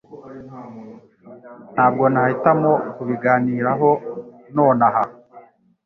Ntabwo nahitamo kubiganiraho nonaha